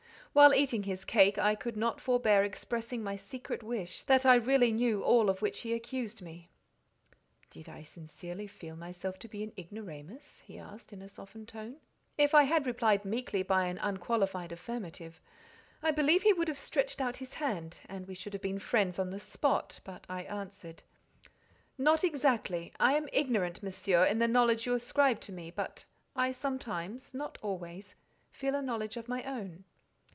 While eating his cake, I could not forbear expressing my secret wish that I really knew all of which he accused me. "Did I sincerely feel myself to be an ignoramus?" he asked, in a softened tone. If I had replied meekly by an unqualified affirmative, I believe he would have stretched out his hand, and we should have been friends on the spot, but I answered— "Not exactly. I am ignorant, Monsieur, in the knowledge you ascribe to me, but I sometimes, not always, feel a knowledge of my own."